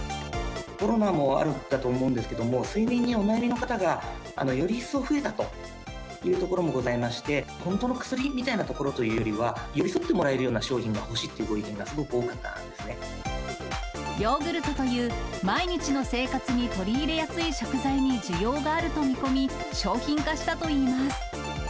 コロナもあるかと思うんですけども、睡眠にお悩みの方がより一層増えたというところもございまして、本当の薬みたいなところというよりは、寄り添ってもらえるような商品が欲しいというご意見が、すごく多ヨーグルトという、毎日の生活に取り入れやすい食材に需要があると見込み、商品化したと言います。